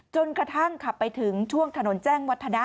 กระทั่งขับไปถึงช่วงถนนแจ้งวัฒนะ